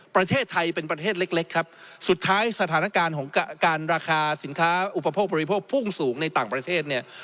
ประเทศไทยเป็นประเทศเล็กเล็กครับสุดท้ายสถานการณ์ของการราคาสินค้าอุปโภคบริโภคพุ่งสูงในต่างประเทศเนี่ย